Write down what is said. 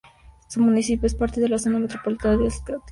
El municipio es parte de la Zona Metropolitana de Tlaxcala-Apizaco.